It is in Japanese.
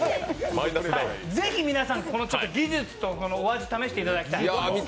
ぜひ皆さんこの技術とお味を試していただきたい。